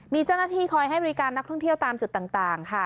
มีเจ้าหน้าที่คอยให้บริการนักท่องเที่ยวตามจุดต่างค่ะ